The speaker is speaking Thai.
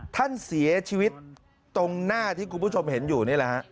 ท่านเสียชีวิตตรงหน้าที่คุณผู้ชมเห็นอยู่นี่แหละฮะ